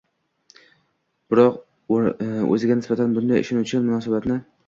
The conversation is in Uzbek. Biroq o‘ziga nisbatan bunday ishonuvchan munosabatni